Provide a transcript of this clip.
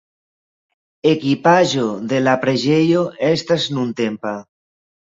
Ekipaĵo de la preĝejo estas nuntempa.